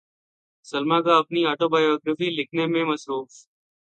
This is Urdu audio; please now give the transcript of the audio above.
سلمی غا اپنی اٹوبایوگرافی لکھنے میں مصروف